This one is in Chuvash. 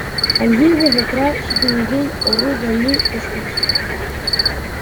Хальхи вӑхӑтра ҫитӗнекен ӑру валли тӗслӗх ҫук.